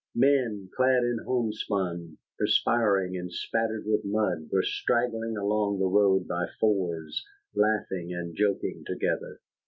Men clad in homespun, perspiring and spattered with mud, were straggling along the road by fours, laughing and joking together.